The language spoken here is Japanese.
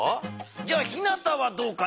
じゃあひなたはどうかな？